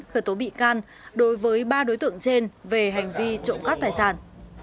khởi tố bị can đối với ba đối tượng trên về hành vi trộm cắp tài sản